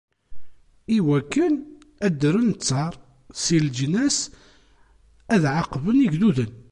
Iwakken ad d-rren ttar si leǧnas, ad ɛaqben igduden.